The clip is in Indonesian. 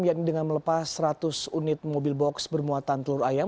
yakni dengan melepas seratus unit mobil box bermuatan telur ayam